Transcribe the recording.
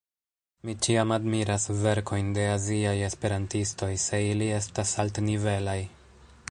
Mi ĉiam admiras verkojn de aziaj esperantistoj, se ili estas altnivelaj.